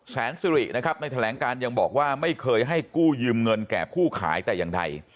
แสนสิรินะครับในแถลงการยังบอกว่าไม่เคยให้กู้ยืมเงินแก่ผู้ขายแต่อย่างใด